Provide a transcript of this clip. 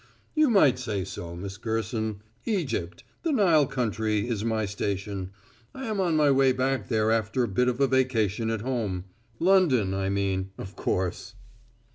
"You might say so, Miss Gerson. Egypt the Nile country is my station. I am on my way back there after a bit of a vacation at home London I mean, of course."